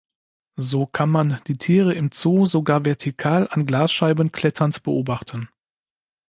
So kann man die Tiere im Zoo sogar vertikal an Glasscheiben kletternd beobachten.